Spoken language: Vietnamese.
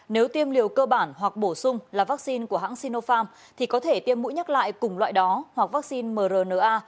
nếu tiêm liều cơ bản hoặc bổ sung là vaccine của hãng sinopharm thì có thể tiêm mũi nhắc lại cùng loại đó hoặc vaccine mrna